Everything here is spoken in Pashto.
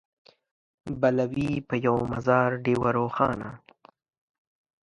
بله وي په یوه مزار ډېوه روښانه